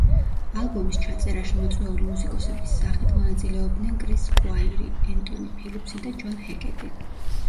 ალბომის ჩაწერაში მოწვეული მუსიკოსების სახით მონაწილეობდნენ კრის სკუაირი, ენტონი ფილიპსი და ჯონ ჰეკეტი.